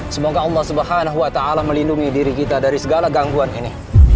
semoga allah swt melindungi diri kita dari segala gangguan ini